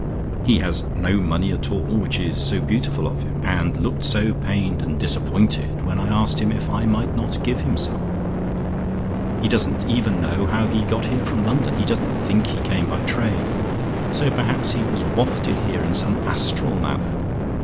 He has no money at all which is so beautiful of him, and looked so pained and disappointed when I asked him if I might not give him some. He doesn't even know how he got here from London; he doesn't think he came by train, so perhaps he was wafted here in some astral manner.